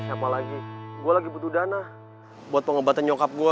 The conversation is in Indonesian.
siapa lagi gua lagi butuh dana buat pengembatan nyokap gua